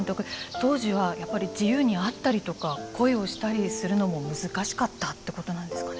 当時はやっぱり自由に会ったりとか恋をしたりするのも難しかったってことなんですかね。